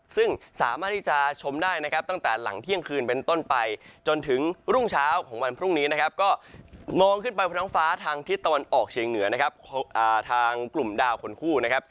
ซึ่งสามารถที่จะชมได้นะครับตั้งแต่หลังเที่ยงคืนเป็นต้นไปจนถึงรุ่งเช้าของวันพรุ่งนี้นะครับก็มองขึ้นไปบนท้องฟ้าทางทิศตะวันออกเชียงเหนือนะครับทางกลุ่มดาวคนคู่นะครับ